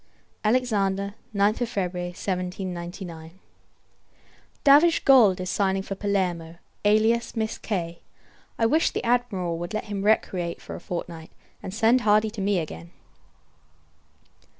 Alexander, 9th February 1799. Davidge Gould is sighing for Palermo; alias Miss K . I wish the Admiral would let him recreate for a fortnight, and send Hardy to me again.